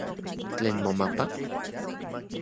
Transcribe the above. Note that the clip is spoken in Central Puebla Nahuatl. ¿Tlen momapa?